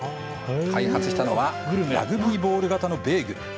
開発したのはラグビーボール型のベーグル。